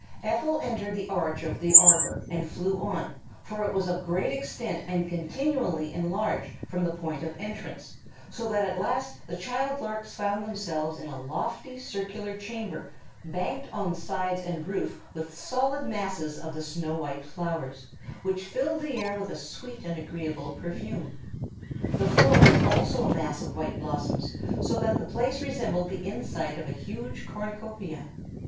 Ephel entered the arch of the arbor and flew on, for it was of great extent and continually enlarged from the point of entrance, so that at last the child larks found themselves in a lofty circular chamber banked on sides and roof with solid masses of the snow white flowers, which filled the air with a sweet and agreeable perfume. The floor was also a mass of white blossoms, so that the place resembled the inside of a huge cornucopia.